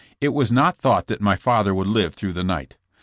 It was not thought that my father would live through the night.